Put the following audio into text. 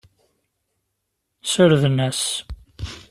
Ssarden-as.